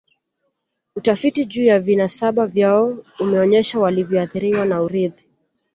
Utafiti juu ya vinasaba vyao umeonyesha walivyoathiriwa na urithi